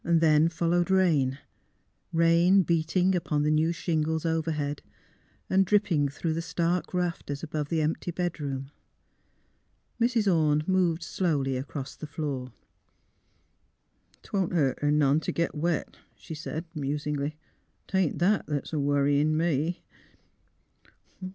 Then followed rain — rain beating upon the new shingles overhead, and dripping through the stark rafters above the empty bedroom. Mrs. Orne moved slowly across the floor. " 'Twon't hurt her none t' git wet," she said, musingly. '' 'Tain't that 'at's worritin' me."